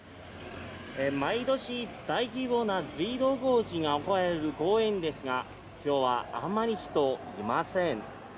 毎年、大規模な追悼行事が行われる公園ですが、きょうはあまり人いません。